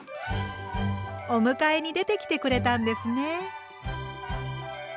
お迎えに出てきてくれたんですね。